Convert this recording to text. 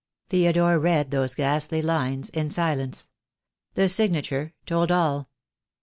Theodore read those ghastly lines in silence. The signature told all.